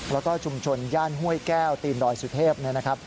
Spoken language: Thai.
แล้วก็ชุมชนย่านห้วยแก้วตีนดอยสุเทพเนี่ยนะครับ